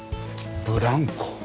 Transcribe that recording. ブランコ。